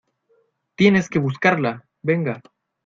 ¡ tienes que buscarla! venga.